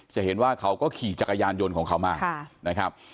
จะเห็นว่าเขาก็ขี่จักรยานยนต์ของเขามานะครับ